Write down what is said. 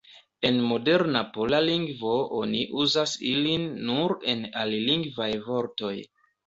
En moderna pola lingvo oni uzas ilin nur en alilingvaj vortoj.